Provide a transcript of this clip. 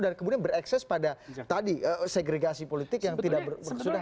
dan kemudian berekses pada tadi segregasi politik yang tidak berkesudahan